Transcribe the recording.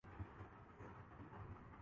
جز نام نہیں صورت عالم مجھے منظور